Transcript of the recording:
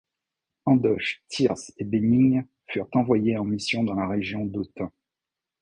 Andoche, Thyrse et Bénigne, furent eux envoyés en mission dans la région d'Autun.